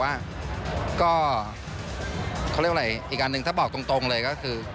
ว่าก็เขาเรียกว่าอะไรอีกอันหนึ่งถ้าบอกตรงเลยก็คือ